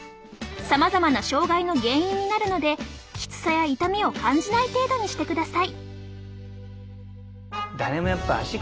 さまざまな障害の原因になるのできつさや痛みを感じない程度にしてください。